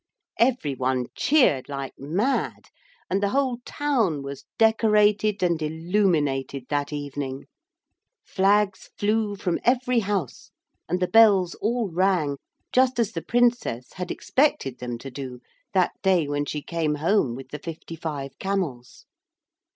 Every one cheered like mad, and the whole town was decorated and illuminated that evening. Flags flew from every house, and the bells all rang, just as the Princess had expected them to do that day when she came home with the fifty five camels.